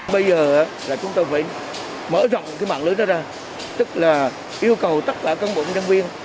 bây giờ là chúng ta phải mở rộng mạng lưới đó ra tức là yêu cầu tất cả các bộ công nhân viên